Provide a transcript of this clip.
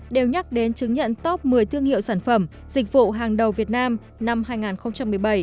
đều nhắc đến chứng nhận top một mươi thương hiệu sản phẩm dịch vụ hàng đầu việt nam năm hai nghìn một mươi bảy